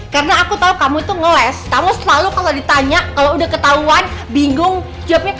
karena aku tau kamu tuh ngeles kamu selalu kalo ditanya kalo udah ketauan bingung jawabnya